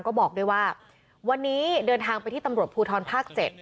ก็บอกด้วยว่าวันนี้เดินทางไปที่ตำรวจภูทรภาค๗